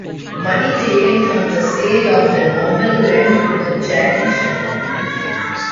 Money taken from the sale of the novel went to the charity Shelter.